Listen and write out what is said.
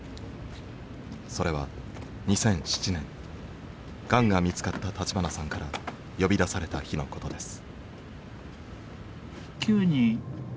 それは２００７年がんが見つかった立花さんから呼び出された日のことです。